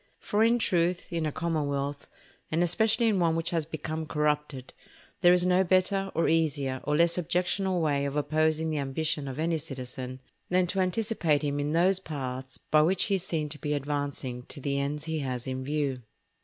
For in truth, in a commonwealth, and especially in one which has become corrupted, there is no better, or easier, or less objectionable way of opposing the ambition of any citizen, than to anticipate him in those paths by which he is seen to be advancing to the ends he has in view.